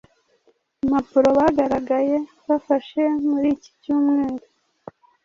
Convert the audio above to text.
impapuro bagaragaye bafashe muriki cyumweru